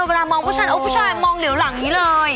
เวลามองผู้ชายโอ้ผู้ชายมองเหลวหลังนี้เลย